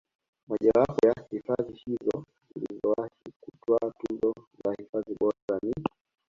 Mojawapo ya hifadhi hizo zilizowahi kutwaa tuzo za hifadhi bora ni